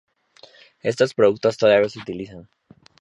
Estos productos todavía se utilizan.